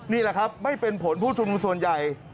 นี่แหละครับไม่เป็นผลผู้ชุมนุมส่วนใหญ่